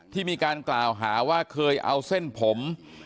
ที่มีการกล่าวหาว่าเคยเอาเส้นผม